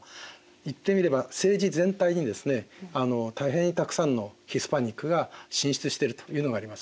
言ってみれば政治全体にですね大変たくさんのヒスパニックが進出してるというのがあります。